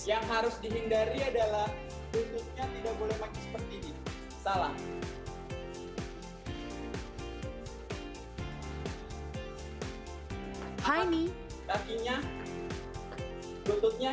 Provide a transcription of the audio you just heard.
yang harus dihindari adalah lututnya tidak boleh mati seperti ini salah